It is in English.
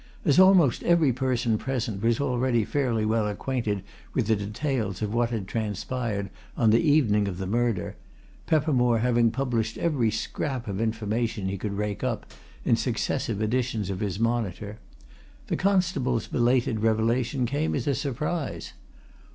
As almost every person present was already fairly well acquainted with the details of what had transpired on the evening of the murder Peppermore having published every scrap of information he could rake up, in successive editions of his Monitor the constable's belated revelation came as a surprise.